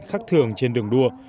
khắc thường trên đường đua